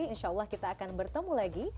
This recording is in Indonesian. insya allah kita akan bertemu lagi